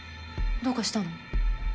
どうかしたの？